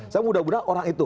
saya mudah mudahan orang itu